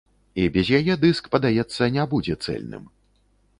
І без яе дыск, падаецца, не будзе цэльным.